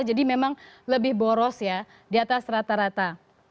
jadi memang lebih boros ya di atas rata rata